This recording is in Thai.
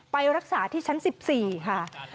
ไปรักษาที่ชั้น๑๔ค่ะ